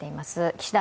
岸田